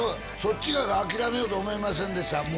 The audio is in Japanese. そっちが諦めようと思いませんでした？